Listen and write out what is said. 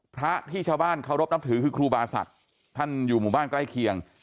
พระที่ชาวบ้านเคารพนับถือคือครูบาศักดิ์ท่านอยู่หมู่บ้านใกล้เคียง